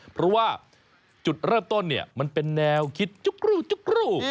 เพราะว่าจุดเริ่มต้นเนี่ยมันเป็นแนวคิดจุ๊กรูจุ๊กรู